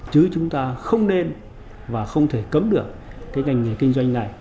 chứ chúng ta không nên và không thể cấm được cái ngành nghề kinh doanh này